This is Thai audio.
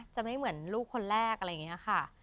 จะไม่เหมือนลูกคนแรกอะไรอย่างนี้ค่ะ